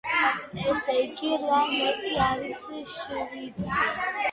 ესე იგი რვა მეტი არის შვიდზე.